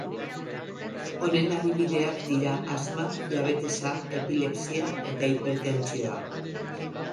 Honen adibideak dira asma, diabetesa, epilepsia eta hipertentsioa.